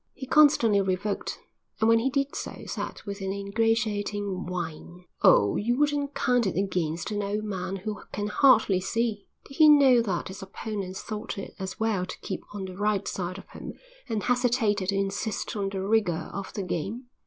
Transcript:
He constantly revoked, and when he did so said with an ingratiating whine: "Oh, you wouldn't count it against an old man who can hardly see." Did he know that his opponents thought it as well to keep on the right side of him and hesitated to insist on the rigour of the game?